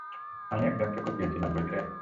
আমি একজনকে কুপিয়েছিলাম, বুঝলেন?